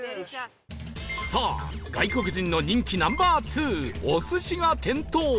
さあ外国人の人気 Ｎｏ．２ お寿司が点灯